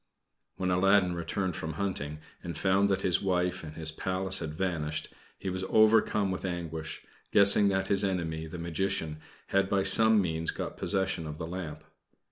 When Aladdin returned from hunting and found that his wife and his Palace had vanished, he was overcome with anguish, guessing that his enemy, the Magician, had by some means got possession of the lamp.